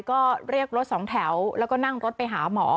ก็เรียกรถสองแถวแล้วก็นั่งรถไปหาหมอ